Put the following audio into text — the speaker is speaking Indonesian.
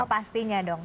oh pastinya dong